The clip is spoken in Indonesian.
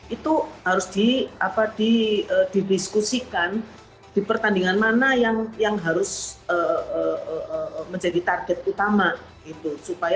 itu harus didiskusikan di pertandingan mana yang harus menjadi target utama gitu